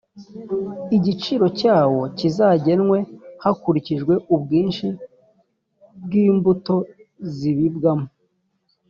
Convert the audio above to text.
igiciro cyawo kizagenwe hakurikijwe ubwinshi bw imbuto zibibwamo